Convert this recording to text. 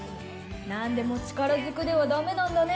なんでも力ずくではだめなんだね。